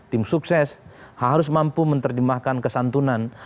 tim sukses harus mampu menerjemahkan kesantunan dan kesentuhan